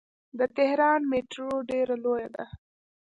د تهران میټرو ډیره لویه ده.